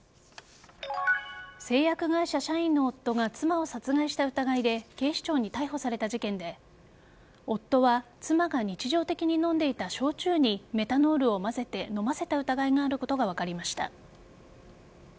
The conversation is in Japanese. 製薬会社社員の夫が妻を殺害した疑いで警視庁に逮捕された事件で夫は妻が日常的に飲んでいた焼酎にメタノールを混ぜて飲ませた疑いがあることが分かりました。